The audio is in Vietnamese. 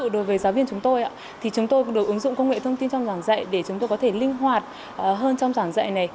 đối với giáo viên chúng tôi thì chúng tôi cũng được ứng dụng công nghệ thông tin trong giảng dạy để chúng tôi có thể linh hoạt hơn trong giảng dạy này